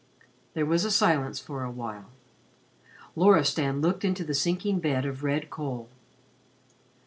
There was a silence for a while. Loristan looked into the sinking bed of red coal.